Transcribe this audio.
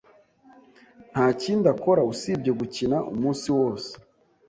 Nta kindi akora usibye gukina umunsi wose.